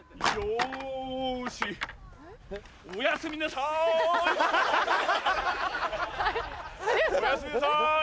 おやすみなさい。